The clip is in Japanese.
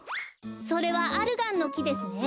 それはアルガンのきですね。